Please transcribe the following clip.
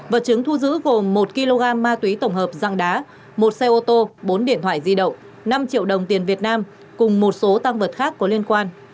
vật chứng thu giữ gồm một kg ma túy tổng hợp dạng đá một xe ô tô bốn điện thoại di động năm triệu đồng tiền việt nam cùng một số tăng vật khác có liên quan